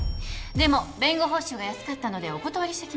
でも弁護報酬が安かったのでお断りしてきました。